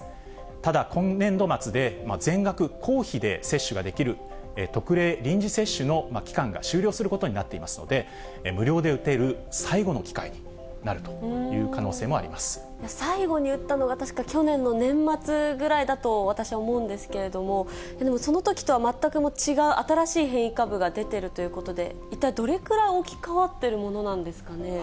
ただ今年度末で、全額公費で接種ができる特例臨時接種の期間が終了することになっていますので、無料で打てる最後の機会になるという可能性もあり最後に打ったのが、確か去年の年末ぐらいだと、私は思うんですけれども、でもそのときとは全く違う、新しい変異株が出てるということで、一体どれぐらい置き換わっているものなんですかね。